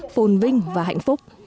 phồn vinh và hạnh phúc